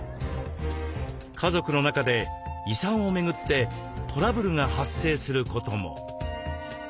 家族の中で遺産を巡ってトラブルが発生することも。